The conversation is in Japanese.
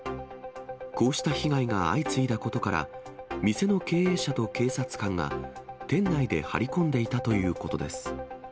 こうした被害が相次いだことから、店の経営者と警察官が、店内で張り込んでいたということです。